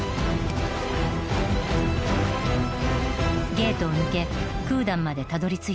ゲートを抜けクーダンまでたどり着いたころ